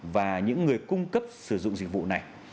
và những người cung cấp sử dụng dịch vụ này